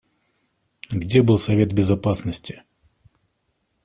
Где был Совет Безопасности?